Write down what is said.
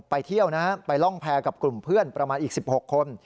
ไปเที่ยวนะไปร่องแพรกับกลุ่มเพื่อนประมาณอีก๑๖คน